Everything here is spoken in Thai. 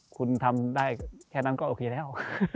คุณทำได้แค่นั้นก็โอเคแล้ว